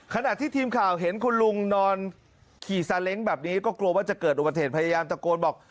ขณะที่ทีมข่าวเห็นคุณลุงนอนขี่ซาเล้งแบบนี้ก็กลัวว่าจะเกิดอุบัติเหตุพยายามตะโกนบอก